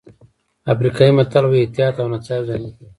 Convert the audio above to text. افریقایي متل وایي احتیاط او نڅا یوځای نه کېږي.